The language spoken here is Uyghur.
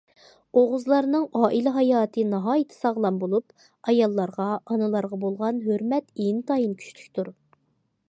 ئوغۇزلارنىڭ ئائىلە ھاياتى ناھايىتى ساغلام بولۇپ، ئاياللارغا، ئانىلارغا بولغان ھۆرمەت ئىنتايىن كۈچلۈكتۇر.